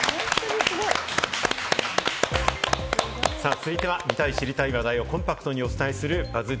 続いては、見たい、知りたい話題をコンパクトにお伝えするＢＵＺＺ